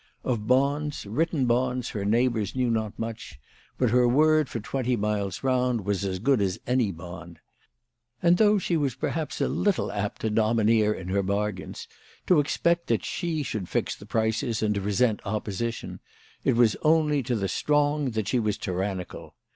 Of bonds, written bonds, her neighbours knew not much ; but her word for twenty miles round was as good as any bond. And though she was perhaps a little apt to domineer in her bargains, to expect that she should fix the prices and to resent opposition, it was only to the strong that she was tyrannical.